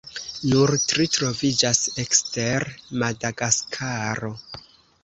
Nur tri troviĝas ekster Madagaskaro.